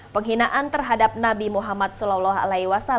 penghinaan terhadap nabi muhammad saw